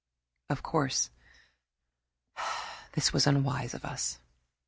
Of course it was unwise of us.